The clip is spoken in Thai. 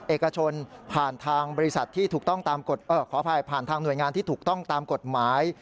เอกชนผ่านทางหน่วยงานที่ถูกต้องตามกฎหมาย